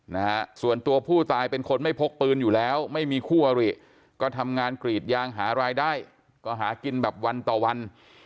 นะฮะส่วนตัวผู้ตายเป็นคนไม่พกปืนอยู่แล้วไม่มีคู่อริก็ทำงานกรีดยางหารายได้ก็หากินแบบวันต่อวัน